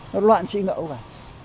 nó loạn sĩ ngẫu cả